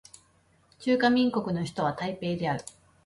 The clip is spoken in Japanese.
中華民国の首都は台北である